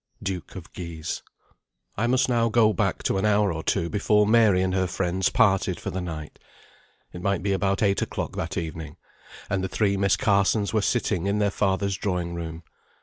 DUKE OF GUISE. I must now go back to an hour or two before Mary and her friends parted for the night. It might be about eight o'clock that evening, and the three Miss Carsons were sitting in their father's drawing room.